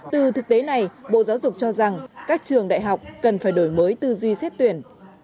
từ thực tế này bộ giáo dục cho rằng các trường đại học cần phải đổi mới tư duy xét tuyển